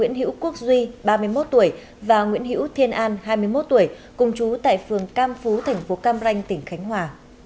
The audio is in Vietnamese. nguyễn hữu quốc duy ba mươi một tuổi và nguyễn hữu thiên an hai mươi một tuổi cùng chú tại phường cam phú thành phố cam ranh tỉnh khánh hòa